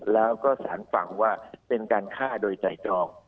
แล้วก็สารฟังว่าเป็นการฆ่าโดยไตรตรอง